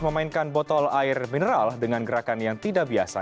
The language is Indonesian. memainkan botol air mineral dengan gerakan yang tidak biasa